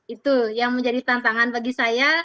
itu yang menjadi tantangan bagi saya